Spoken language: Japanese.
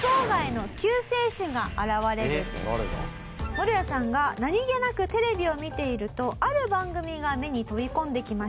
ムロヤさんが何げなくテレビを見ているとある番組が目に飛び込んできました。